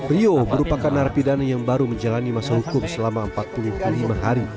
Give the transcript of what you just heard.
rio merupakan narapidana yang baru menjalani masa hukum selama empat puluh lima hari